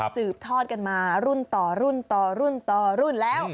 สืบทอดกันมารุ่นต่อรุ่นต่อรุ่นต่อรุ่นแล้ว